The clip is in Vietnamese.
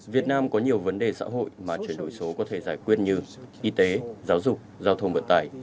việt nam có nhiều vấn đề xã hội mà chuyển đổi số có thể giải quyết như y tế giáo dục giao thông vận tải